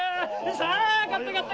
さあ買った買った！